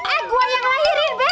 eh gue yang lahirin be